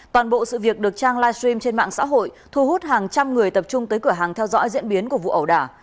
toàn bộ sự việc được trang livestream trên mạng xã hội thu hút hàng trăm người tập trung tới cửa hàng theo dõi diễn biến của vụ ẩu đả